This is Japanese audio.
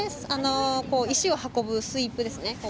石を運ぶスイープですね